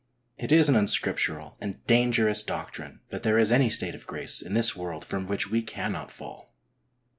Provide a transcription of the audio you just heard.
It is an un scriptural and dangerous doctrine that there is any state of grace in this world from which we cannot fall.